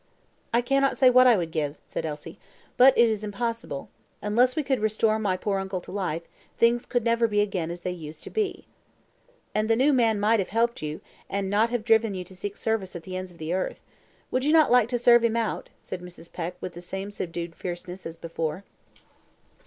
"I cannot say what I would give," said Elsie. "But it is impossible. Unless we could restore my poor uncle to life, things could never be again as they used to be." "And the new man might have helped you, and not have driven you to seek service at the ends of the earth. Would you not like to serve him out?" said Mrs. Peck with the same subdued fierceness as before.